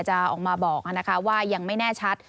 จะออกมาบอกว่ายังไม่แน่ชัด